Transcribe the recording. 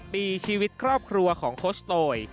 ปีชีวิตครอบครัวของโค้ชโตย